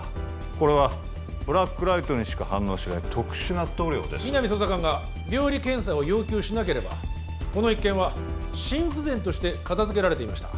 これはブラックライトにしか反応しない特殊な塗料です皆実捜査官が病理検査を要求しなければこの一件は心不全として片付けられていました